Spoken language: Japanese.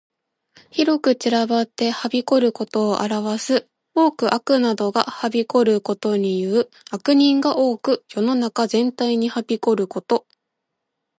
広く散らばってはびこることを表す。多く悪などがはびこることにいう。悪人が多く世の中全体に蔓延ること。